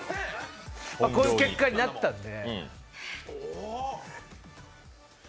こういう結果になったので。